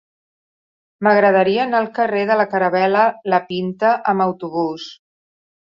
M'agradaria anar al carrer de la Caravel·la La Pinta amb autobús.